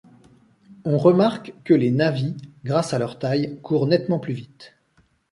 On remarque que les Na'vi, grâce à leur taille, courent nettement plus vite.